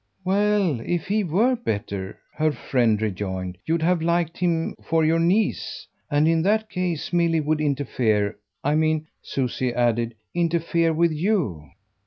"Well, if he were better," her friend rejoined, "you'd have liked him for your niece; and in that case Milly would interfere. I mean," Susie added, "interfere with YOU."